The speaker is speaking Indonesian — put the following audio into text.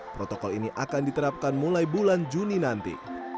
protokol ini akan diterapkan mulai bulan juni nanti